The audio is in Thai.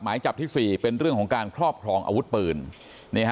ที่กลับที่๔เป็นเรื่องของการครอบครองอาวุธปืน